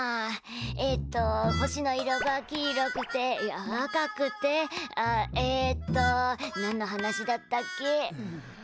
えっと星の色が黄色くていや赤くてあっえっと何の話だったっけ？